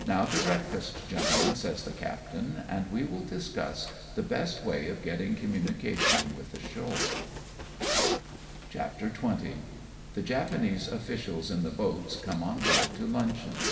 "Now to breakfast, gentlemen," says the captain, " and we wiU discuss the best way of getting communi cation with the shore." CHAPTER XX. THE JAPANESE OFFICIALS IN THE BOATS COME ON BOARD TO LUNCHEON.